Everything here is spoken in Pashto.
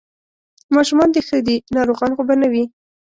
ماشومان دې ښه دي، ناروغان خو به نه وي؟